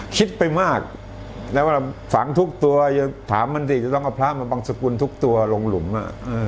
คิดไปมากแล้วฝังทุกตัวถามมันสิต้องเอาพระบางสกุลทุกตัวลงหลุ่มอะ